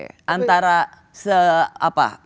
jadi itu yang saya ingin tahu